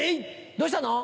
どうしたの？